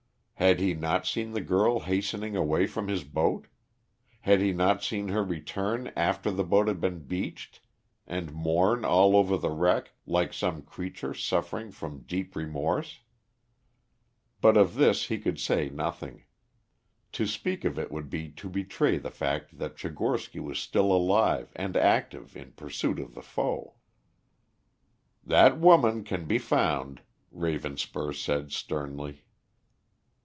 Had he not seen the girl hastening away from his boat? Had he not seen her return after the boat had been beached and mourn over the wreck like some creature suffering from deep remorse? But of this he could say nothing. To speak of it would be to betray the fact that Tchigorsky was still alive and active in pursuit of the foe. "That woman can be found," Ravenspur said sternly.